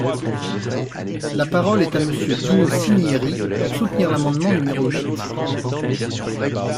La parole est à Monsieur Dino Cinieri, pour soutenir l’amendement numéro huit.